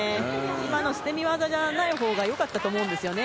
今、捨て身技やらないほうが良かったと思うんですよね